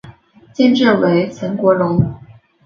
监制为岑国荣。